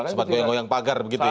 sempat goyang goyang pagar begitu ya